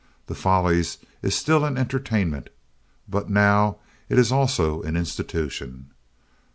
The Follies is still an entertainment, but now it is also an institution.